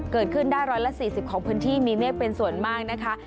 เกิดขึ้นได้๑๔๐ของพื้นที่มีเมฆเป็นส่วนมากนะคะ